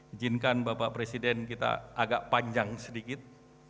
ijinkan bapak presiden kita agak panjang sedikit